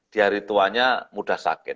di hari tuanya mudah sakit